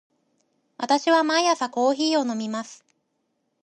私は毎日コーヒーを飲みます。